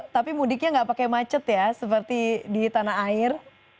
tapi mudiknya nggak pakai macet ya seperti di tanah air